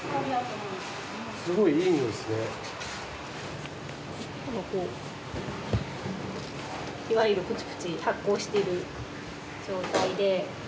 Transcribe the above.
いわゆるプチプチ発酵している状態で。